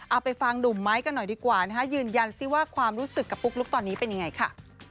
เอาไปฟังหนุ่มไม้กันหน่อยดีกว่านะคะยืนยันสิว่าความรู้สึกกับปุ๊กลุ๊กตอนนี้เป็นยังไงค่ะ